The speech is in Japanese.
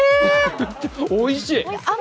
おいしい。